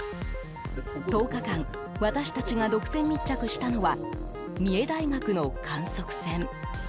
１０日間私たちが独占密着したのは三重大学の観測船。